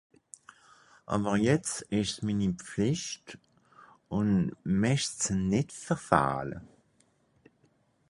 Àwwer jetzt ìsch's mini Pflìcht ùn mächt's nìtt verfähle.